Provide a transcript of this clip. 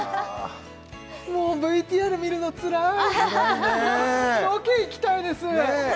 もうＶＴＲ見るのつらいつらいねロケ行きたいです